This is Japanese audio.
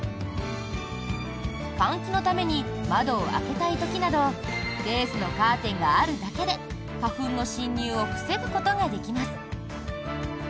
換気のために窓を開けたい時などレースのカーテンがあるだけで花粉の侵入を防ぐことができます。